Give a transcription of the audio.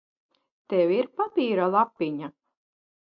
Tev ir papīra lapiņa?